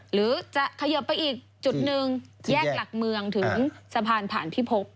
หรือจะเขยิบไปอีกจุดหนึ่งแยกหลักเมืองถึงสะพานผ่านพิภพ